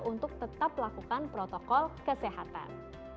untuk tetap melakukan protokol kesehatan